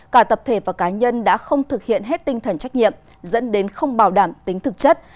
cả tập thể và cá nhân đã không thực hiện hết tinh thần trách nhiệm dẫn đến không bảo đảm tính thực chất